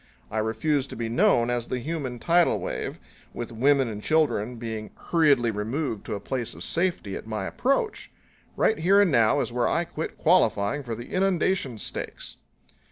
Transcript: I refuse to be known as the human tidal wave, with women and children being hurriedly removed to a place of safety at my approach. Right here and now is where I quit qualifying for the inundation stakes!"